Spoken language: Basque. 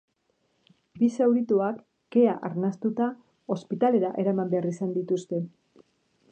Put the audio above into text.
Bi zaurituak, kea arnastuta, ospitalera eraman behar izan dituzte.